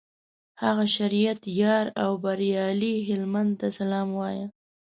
هغه شریعت یار او بریالي هلمند ته سلام وایه.